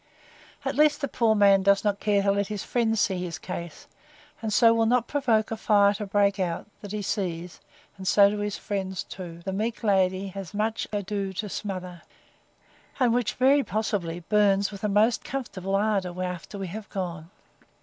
At least the poor man does not care to let his friends see his case; and so will not provoke a fire to break out, that he sees (and so do his friends too) the meek lady has much ado to smother; and which, very possibly, burns with a most comfortable ardour, after we are gone.